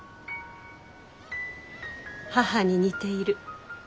「母に似ている」。